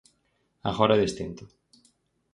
Agora é distinto.